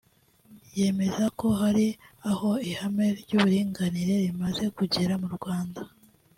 yemeza ko hari aho ihame ry’uburinganire rimaze kugera mu Rwanda